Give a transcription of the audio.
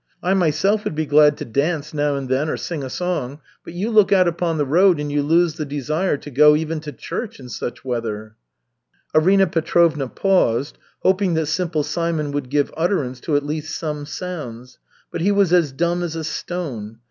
I, myself, would be glad to dance now and then or sing a song, but you look out upon the road and you lose the desire to go even to church in such weather." Arina Petrovna paused, hoping that Simple Simon would give utterance to at least some sounds, but he was as dumb as a stone.